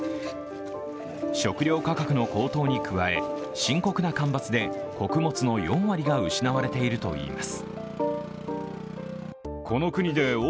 食料価格の高騰に加え深刻な干ばつで穀物の４割が失われているといいます。